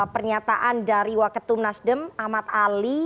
pernyataan dari waketum nasdem ahmad ali